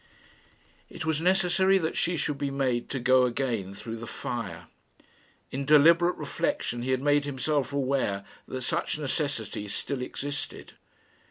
It was necessary that she should be made to go again through the fire. In deliberate reflection he had made himself aware that such necessity still existed.